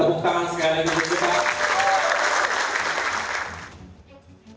tepuk tangan sekali bapak ibu